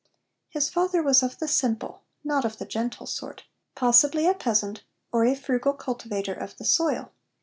His father was of the 'simple,' not of the gentle, sort; possibly a peasant, or frugal cultivator of the soil.